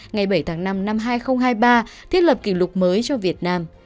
ngày bảy tháng năm năm hai nghìn hai mươi ba thiết lập kỷ lục mới cho việt nam